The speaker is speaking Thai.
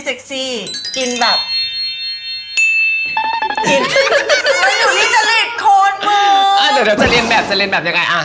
เดี๋ยวเราจะเรียนแบบจะเรียนแบบยังไงอ่ะ